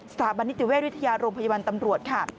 สถาบันนิติเวชวิทยาโรงพยาบาลตำรวจค่ะ